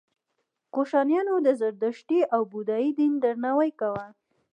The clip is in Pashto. کوشانیانو د زردشتي او بودايي دین درناوی کاوه